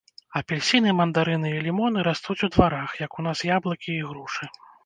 Апельсіны, мандарыны і лімоны растуць у дварах, як у нас яблыкі і грушы.